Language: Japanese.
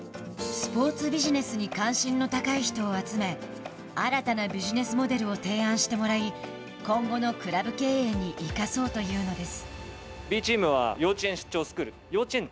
スポーツビジネスに関心の高い人を集め新たなビジネスモデルを提案してもらい今後のクラブ経営に生かそうというのです。